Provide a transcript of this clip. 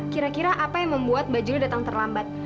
kira kira apa yang membuat mbak juli datang terlambat